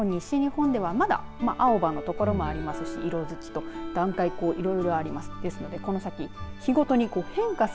西日本では、まだ青葉の所もありますし色づきと段階、いろいろあります。